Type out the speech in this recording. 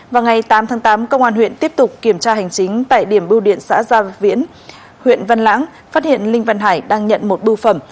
vào ngày tám tháng tám công an huyện tiếp tục kiểm tra hành chính tại điểm bưu điện xã gia viễn huyện văn lãng phát hiện linh văn hải đang nhận một bưu phẩm